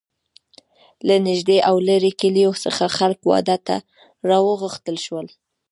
له نږدې او لرې کلیو څخه خلک واده ته را وغوښتل شول.